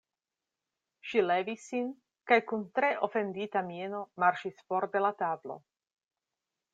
Ŝi levis sin kaj kun tre ofendita mieno marŝis for de la tablo.